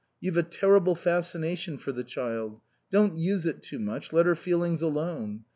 You've a terrible fascination for the child. Don't use it too much. Let her feelings alone.